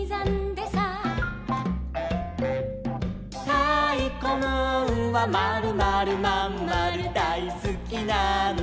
「たいこムーンはまるまるまんまるだいすきなんだ」